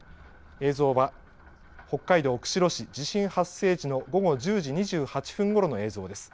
映像は、北海道釧路市、地震発生時の午後１０時２８分ごろの映像です。